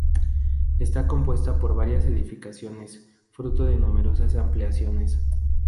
Está compuesta por varias edificaciones fruto de numerosas ampliaciones.